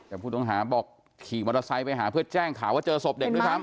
แต่ผู้ต้องหาบอกขี่มอเตอร์ไซค์ไปหาเพื่อแจ้งข่าวว่าเจอศพเด็กด้วยซ้ำ